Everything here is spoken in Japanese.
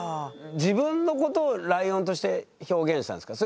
自分のことをライオンとして表現したんですか？